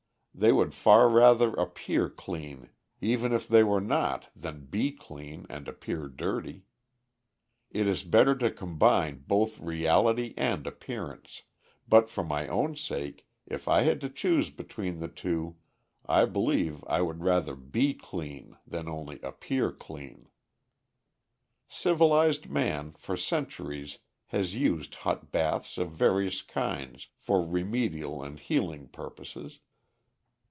They would far rather appear clean even if they were not than be clean and appear dirty. It is better to combine both reality and appearance, but, for my own sake, if I had to choose between the two, I believe I would rather be clean than only appear clean. Civilized man, for centuries, has used hot baths of various kinds for remedial and healing purposes.